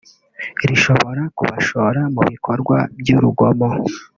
rishobora kubashora mu bikorwa by’urugomo